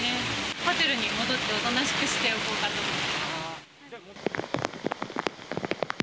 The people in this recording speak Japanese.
ホテルに戻っておとなしくしておこうかと思います。